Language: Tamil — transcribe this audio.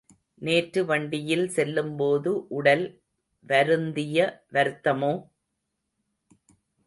நேற்று வண்டியில் செல்லும்போது உடல் வருந்திய வருத்தமோ?